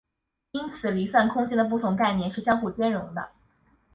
因此离散空间的不同概念是相互兼容的。